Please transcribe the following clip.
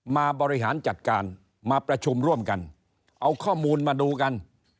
มาบริหารจัดการมาประชุมร่วมกันเอาข้อมูลมาดูกัน